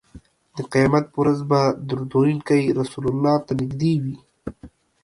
د قیامت په ورځ به درود ویونکی رسول الله ته نږدې وي